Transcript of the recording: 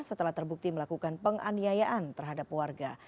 setelah terbukti melakukan penganiayaan terhadap warga